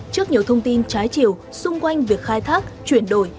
trước nhiều thông tin trái chiều xung quanh việc khai thác chuyển đổi